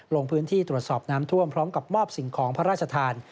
ลงพื้นที่ตรวจสอบน้ำท่วมพร้อมกับมอบสิ่งของพระราชทาน